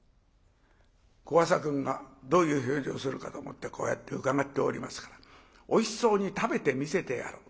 小朝君がどういう表情するかと思ってこうやってうかがっておりますからおいしそうに食べてみせてやる。